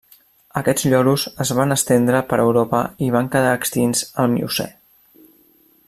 Aquests lloros es van estendre per Europa i van quedar extints al Miocè.